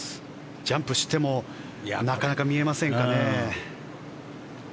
ジャンプしてもなかなか見えませんかね。